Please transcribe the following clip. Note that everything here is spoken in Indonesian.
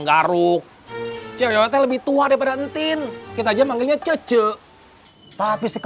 ah beneran dari mana